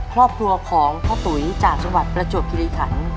ครอบครัวของพ่อตุ๋ยจากจังหวัดประจวบคิริขัน